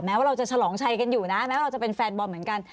ว่าเราจะฉลองชัยกันอยู่นะแม้เราจะเป็นแฟนบอลเหมือนกัน